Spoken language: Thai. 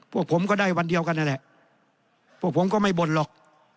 ผมก็ได้วันเดียวกันนั่นแหละพวกผมก็ไม่บ่นหรอก